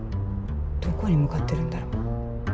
どこに向かってるんだろう。